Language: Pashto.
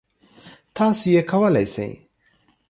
تاسو یې کولی شئ!